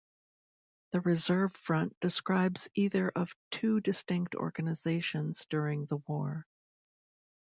The Reserve Front describes either of two distinct organizations during the war.